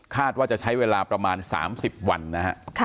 คาดว่าจะใช้เวลาประมาณ๓๐วันนะครับ